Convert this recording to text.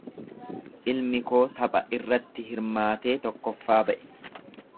Ilmi koo tapha irratti hirmaatee tokkoffaa ba'e.